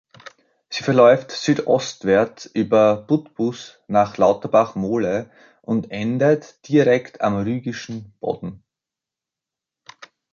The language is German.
Sie verläuft südostwärts, über Putbus nach Lauterbach Mole und endet direkt am Rügischen Bodden.